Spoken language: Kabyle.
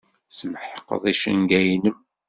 Tmeḥqeḍ icenga-nnem.